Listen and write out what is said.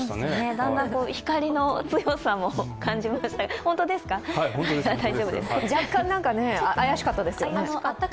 だんだん光の強さも感じまして、本当ですか？